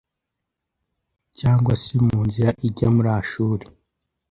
Cyangwa se mu nzira ijya muri Ashuri